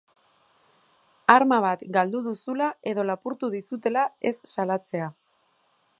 Arma bat galdu duzula edo lapurtu dizutela ez salatzea.